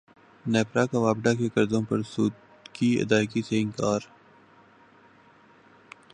نیپرا کا واپڈا کے قرضوں پر سود کی ادائیگی سے انکار